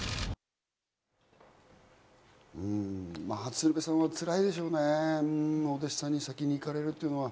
鶴瓶さんはつらいでしょうね、お弟子さんに先に逝かれるというのは。